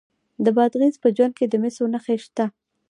د بادغیس په جوند کې د مسو نښې شته.